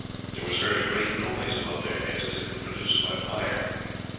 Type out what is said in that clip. There was heard a great noise above their heads, as if produced by fire.